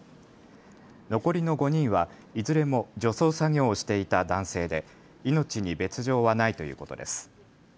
残りの５人はいずれも除草作業をしていた男性で命に別状はないということです。